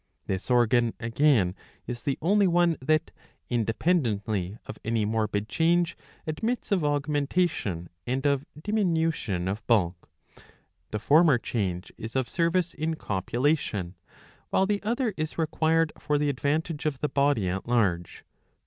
This organ, again, is the only one that, independently of any .morbid change, admits of augmentation and of diminution of bulk. The former change is of service in copulation, while the other is required for the advantage of the body at large.